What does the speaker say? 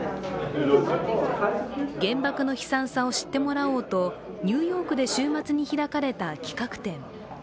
原爆の悲惨さを知ってもらおうとニューヨークで週末に開かれた企画展。